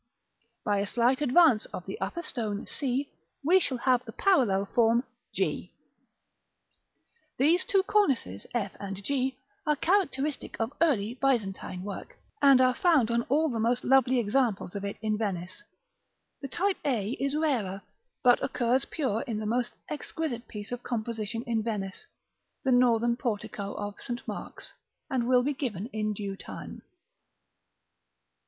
By a slight advance of the upper stone c, we shall have the parallel form g. These two cornices, f and g, are characteristic of early Byzantine work, and are found on all the most lovely examples of it in Venice. The type a is rarer, but occurs pure in the most exquisite piece of composition in Venice the northern portico of St. Mark's; and will be given in due time.